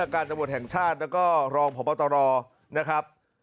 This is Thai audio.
การตำรวจแห่งชาติแล้วก็รองพบตรนะครับ